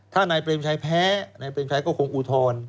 ถ้านายเปรมชัยแพ้นายเปรมชัยก็คงอุทธรณ์